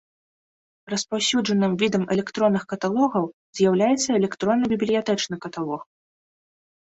Распаўсюджаным відам электронных каталогаў з'яўляецца электронны бібліятэчны каталог.